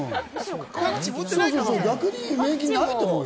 逆に免疫ないと思うよ？